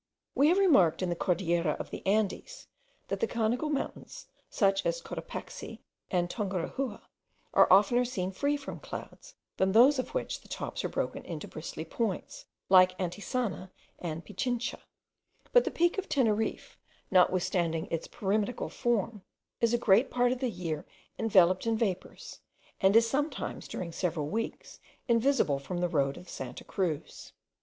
We have remarked, in the Cordillera of the Andes, that the conical mountains, such as Cotopaxi and Tungurahua, are oftener seen free from clouds, than those of which the tops are broken into bristly points, like Antisana and Pichincha; but the peak of Teneriffe, notwithstanding its pyramidical form, is a great part of the year enveloped in vapours, and is sometimes, during several weeks, invisible from the road of Santa Cruz.